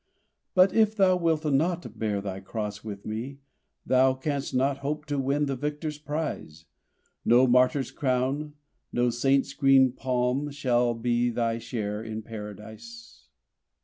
"But if thou wilt not bear thy cross with Me Thou canst not hope to win the victor's prize; No martyr's crown, no saint's green palm shall be Thy share in Paradise!"